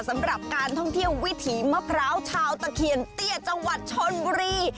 สำหรับการท่องเที่ยววิถีมะพร้าวชาวตะเคียนเตี้ยจังหวัดชนบุรี